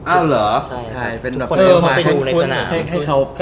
อ้าวเหรอทุกคนต้องไปดูในสนาม